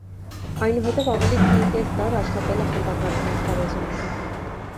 Այնուհետև ավելի քան կես դար աշխատել է խմբագրական ասպարեզում։